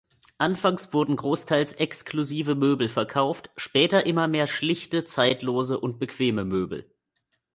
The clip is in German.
Anfangs wurden großteils exklusive Möbel verkauft, später immer mehr schlichte, zeitlose und bequeme Möbel.